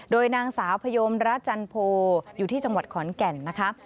โดยนางสาวพยมระจันโพอยู่ที่จังหวัดขอนแก่นนะคะ